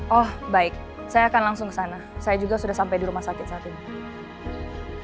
oh baik saya akan langsung ke sana saya juga sudah sampai di rumah sakit saat ini